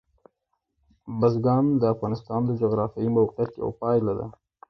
بزګان د افغانستان د جغرافیایي موقیعت یوه پایله ده.